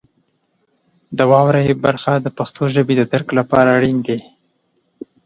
د واورئ برخه د پښتو ژبې د درک لپاره اړین دی.